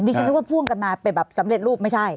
นี่เธอคิดว่าผ่วงกลับมาเป็นแบบสำเร็จรูปไม่ใช่